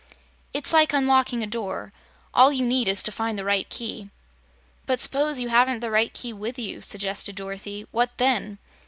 It's like unlocking a door; all you need is to find the right key." "But 'spose you haven't the right key with you." suggested Dorothy; "what then?"